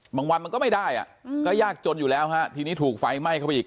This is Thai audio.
บางวันมันก็ไม่ได้อ่ะก็ยากจนอยู่แล้วฮะทีนี้ถูกไฟไหม้เข้าไปอีก